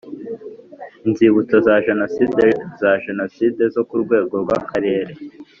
Inzibutso za Jenoside za Jenoside zo ku rwego rw Akarere